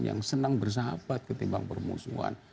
yang senang bersahabat ketimbang permusuhan